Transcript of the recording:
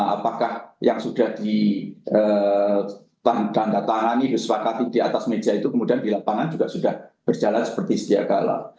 apakah yang sudah ditandatangani disepakati di atas meja itu kemudian di lapangan juga sudah berjalan seperti setia gala